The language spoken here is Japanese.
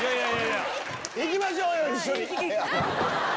行きましょうよ一緒に。